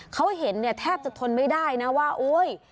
เขาเห็นเนี่ยแทบจะทนไม่ได้นะว่าโอ๊ย